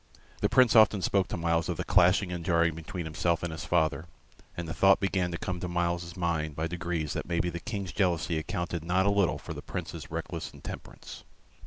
The Prince often spoke to Myles of the clashing and jarring between himself and his father, and the thought began to come to Myles's mind by degrees that maybe the King's jealousy accounted not a little for the Prince's reckless intemperance.